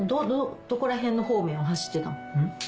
どこら辺の方面を走ってたの？